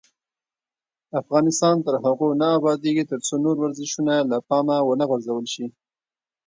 افغانستان تر هغو نه ابادیږي، ترڅو نور ورزشونه له پامه ونه غورځول شي.